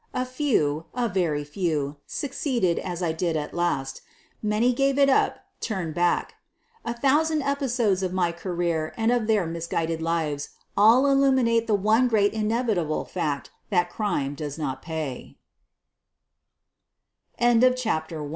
A few, a very few, succeeded as I did at last. Many gave it up, turned back. A thousand episodes of my career and of their mis guided lives all illuminate the one great inevitable fact that crime does not pay I QUEEN OF THE BURGLARS 37 CHAPTER n T